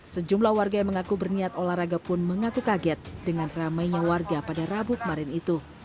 sejumlah warga yang mengaku berniat olahraga pun mengaku kaget dengan ramainya warga pada rabu kemarin itu